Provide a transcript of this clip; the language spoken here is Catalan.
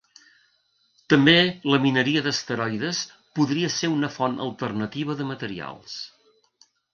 També la mineria d'asteroides podria ser una font alternativa de materials.